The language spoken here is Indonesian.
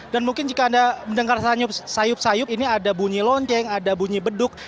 dan mungkin jika anda mendengar sayup sayup ini ada bunyi lonceng ada bunyi beduk